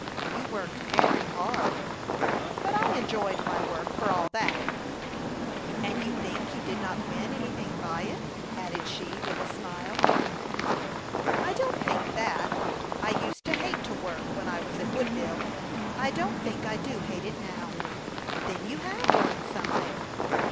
"You worked very hard." "But I enjoyed my work, for all that." "And you think you did not win anything by it," added she, with a smile. "I don't think that. I used to hate to work when I was at Woodville. I don't think I do hate it now." "Then you have won something."